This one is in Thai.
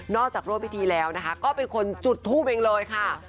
จากร่วมพิธีแล้วนะคะก็เป็นคนจุดทูปเองเลยค่ะ